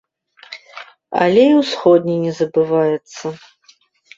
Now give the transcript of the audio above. Але і ўсходні не забываецца.